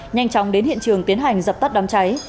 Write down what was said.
nhanh chóng đến hiện trường tiến hành dập tắt đám cháy